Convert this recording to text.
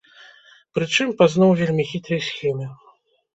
Прычым, па зноў вельмі хітрай схеме.